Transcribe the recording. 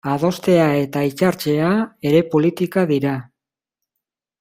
Adostea eta hitzartzea ere politika dira.